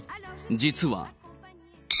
実は。